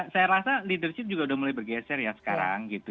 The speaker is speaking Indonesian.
saya rasa leadership juga udah mulai bergeser ya sekarang gitu